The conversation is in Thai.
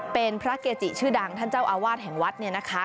เป็นพระเกจิชื่อดังท่านเจ้าอาวาสแห่งวัดเนี่ยนะคะ